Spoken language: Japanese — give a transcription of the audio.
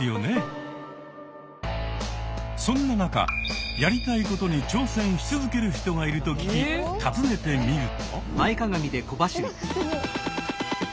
そんな中やりたいことに挑戦し続ける人がいると聞き訪ねてみると。